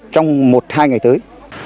trong một hai ngày tới